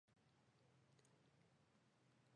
په انګلستان کې هم په څوارلسمه پیړۍ کې پاڅون وشو.